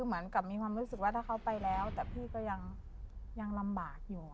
เหมือนกับมีความรู้สึกว่าถ้าเขาไปแล้วแต่พี่ก็ยังลำบากอยู่